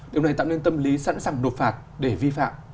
điều này tạo nên tâm lý sẵn sàng nộp phạt để vi phạm